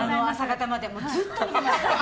ずっと見てました。